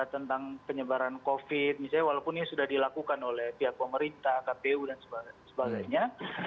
tentang penyebaran covid misalnya walaupun ini sudah dilakukan oleh pihak pemerintah kpu dan sebagainya